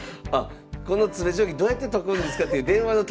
この詰将棋どうやって解くんですかっていう電話の対応。